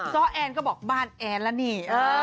ซ้อแอนก็บอกบ้านแอนแล้วนี่